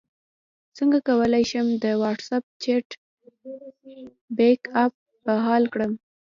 څنګه کولی شم د واټساپ چټ بیک اپ بحال کړم